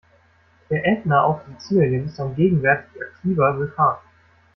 Der Ätna auf Sizilien ist ein gegenwärtig aktiver Vulkan.